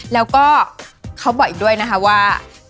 แล้วก็เขาบอกอีกด้วยนะคะว่า